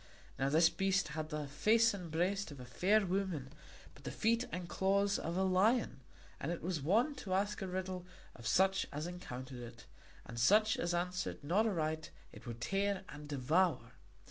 Now this beast had the face and breast of a fair woman, but the feet and claws of a lion; and it was wont to ask a riddle of such as encountered it, and such as answered not aright it would tear and devour.